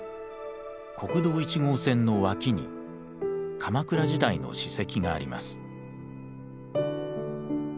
国道１号線の脇に鎌倉時代の史跡があります。